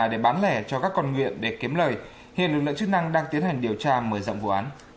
để bán lẻ cho các con nghiện để kiếm lời hiện lực lượng chức năng đang tiến hành điều tra mở rộng vụ án